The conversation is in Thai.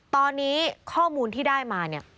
ตอนนี้ข้อมูลที่ได้มาเนี่ย